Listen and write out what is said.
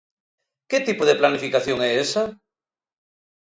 ¿Que tipo de planificación é esa?